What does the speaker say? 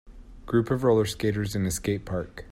Group of rollerskaters in a skate park.